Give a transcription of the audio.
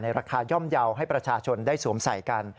ราคาย่อมเยาว์ให้ประชาชนได้สวมใส่กัน